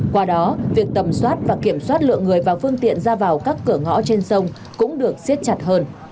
qua đó việc tầm soát và kiểm soát lượng người và phương tiện ra vào các cửa ngõ trên sông cũng được xiết chặt hơn